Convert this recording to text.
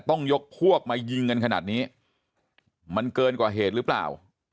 ต้องยกพวกมายิงกันขนาดนี้มันเกินกว่าเหตุหรือเปล่า